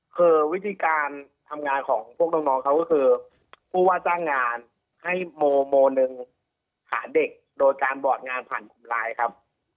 คือวิธีการทำงานของพวกน้องเขาก็คือผู้ว่าจ้างงานให้โมโมหนึ่งหาเด็กโดยการบอร์ดงานผ่านกลุ่มไลน์ครับ